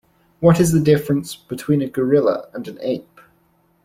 What is the difference between a gorilla and an ape?